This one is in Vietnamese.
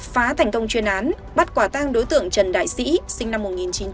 phá thành công chuyên án bắt quả tang đối tượng trần đại sĩ sinh năm một nghìn chín trăm tám mươi